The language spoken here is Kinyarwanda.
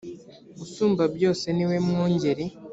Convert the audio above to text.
usumba byose niwe mwungeri .